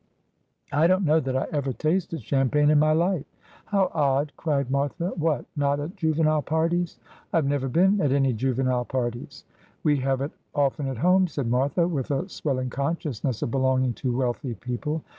' I don't know that I ever tasted champagne in my life.' ' How odd !' cried Martha. ' What, not at juvenile parties ?'' I have never been at any juvenile parties.' ' We have it often at home,' said Martha, with a swelling consciousness of belonging to wealthy people.